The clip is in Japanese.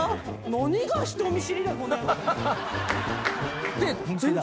何が人見知りだ⁉この野郎！